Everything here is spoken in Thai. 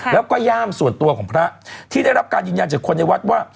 แล้วก็ย่ามส่วนตัวของพระที่ได้รับการยืนยันจากคนในวัดว่า